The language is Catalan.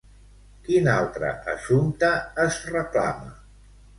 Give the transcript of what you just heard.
Quin altre assumpte es reclama?